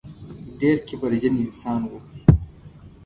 ډېر کبرجن انسان و.